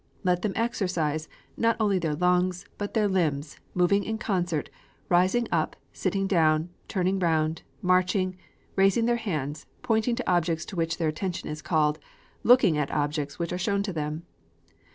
Let them exercise, not only their lungs, but their limbs, moving in concert, rising up, sitting down, turning round, marching, raising their hands, pointing to objects to which their attention is called, looking at objects which are shown to them.